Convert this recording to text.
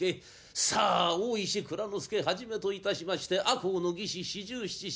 さあ大石内蔵助はじめといたしまして赤穂の義士四十七士。